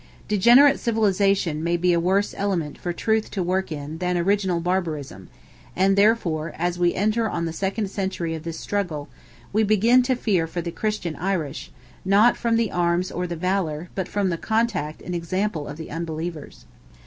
Degenerate civilisation may be a worse element for truth to work in than original barbarism; and, therefore, as we enter on the second century of this struggle, we begin to fear for the Christian Irish, not from the arms or the valour, but from the contact and example of the unbelievers.